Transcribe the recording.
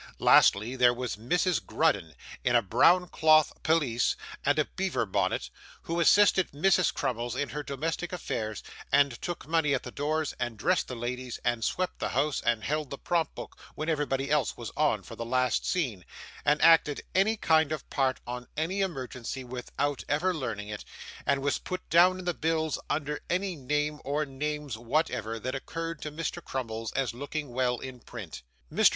Lastly, there was Mrs. Grudden in a brown cloth pelisse and a beaver bonnet, who assisted Mrs. Crummles in her domestic affairs, and took money at the doors, and dressed the ladies, and swept the house, and held the prompt book when everybody else was on for the last scene, and acted any kind of part on any emergency without ever learning it, and was put down in the bills under any name or names whatever, that occurred to Mr. Crummles as looking well in print. Mr.